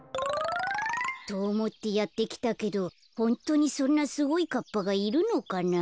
とおもってやってきたけどホントにそんなすごいカッパがいるのかな？